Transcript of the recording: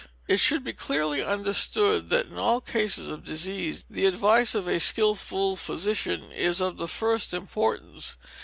It should be clearly understood, that in all cases of disease, the advice of a skilful physician is of the first importance.